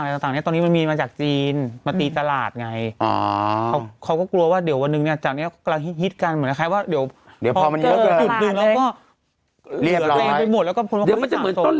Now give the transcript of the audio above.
ทุกบ้านครบกาห์หมูบ้านทุกบ้านลงให้ทุกบ้าน